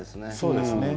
そうですね。